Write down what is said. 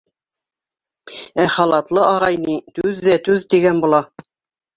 Ә халатлы ағай ни, түҙ ҙә, түҙ, тигән була.